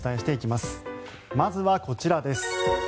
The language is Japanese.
まずはこちらです。